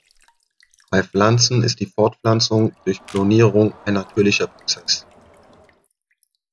Bei Pflanzen ist die Fortpflanzung durch Klonierung ein natürlicher Prozess.